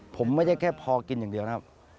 ผมไม่ได้แค่พอกินอย่างเดียวนะครับ